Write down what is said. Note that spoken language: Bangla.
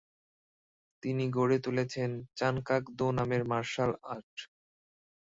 তিনি গড়ে তুলেছেন চান কাক দো নামের মার্শালআর্ট।